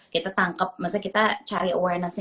kita tangkep maksudnya kita cari awareness nya